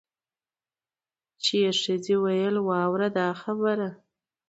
چي یې ښځي ویل واوره دا خبره